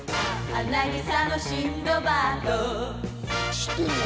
知ってんの？